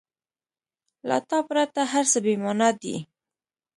• له تا پرته هر څه بېمانا دي.